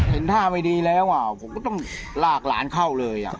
เห็นท่าไม่ดีแล้วผมก็ต้องลากหลานเข้าเลย